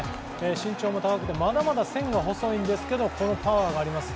身長も高くて、まだまだ線が細いんですけど、このパワーがあります。